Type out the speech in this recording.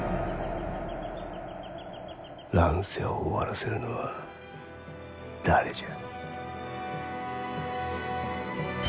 乱世を終わらせるのは誰じゃ。